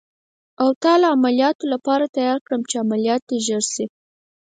او تا د عملیاتو لپاره تیار کړم، چې عملیات دې ژر شي.